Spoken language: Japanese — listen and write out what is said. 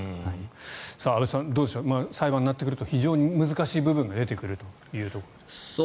安部さん裁判になってくると非常に難しい部分も出てくるということです。